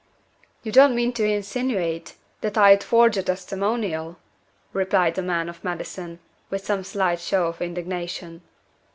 "You don't mean to insinuate that I'd forge a testimonial?" replied the man of medicine, with some slight show of indignation.